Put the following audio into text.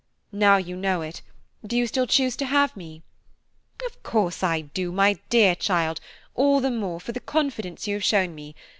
Now you know it, do you still choose to have me?" "Of course I do, my dear child, all the more for the confidence you have shown me.